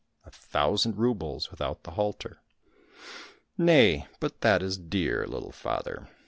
—" A thousand roubles without the halter." —'' Nay ! but that is dear, little father